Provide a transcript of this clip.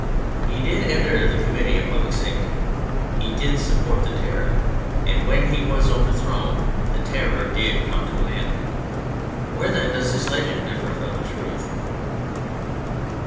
He did enter the Committee of Public Safety; he did support the Terror, and when he was overthrown the Terror did come to an end. Where, then, does the legend differ from the truth